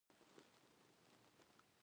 بیزو د ښکار کولو اړتیا نه لري.